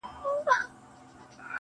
ما چي د هيلو د اختر شېبې ـ شېبې شچيرلې,